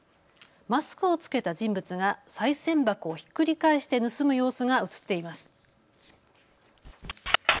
マスクを着けた人物がさい銭箱をひっくり返して盗む様子が写っています。